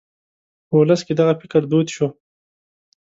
په ولس کې دغه فکر دود شو.